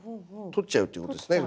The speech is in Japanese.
取っちゃうっていうことですね。